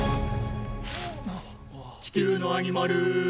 「地球のアニマル」